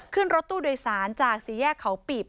ขึ้นรถตู้โดยสารจากสี่แยกเขาปีบ